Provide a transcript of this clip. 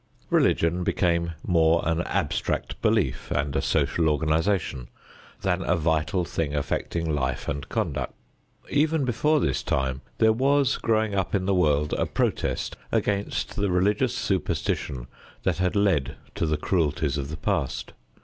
Religion became more an abstract belief and a social organization than a vital thing affecting life and conduct. Even before this time there was growing up in the world a protest against the religious superstition that had led to the cruelties of the past.